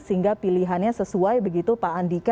sehingga pilihannya sesuai begitu pak andika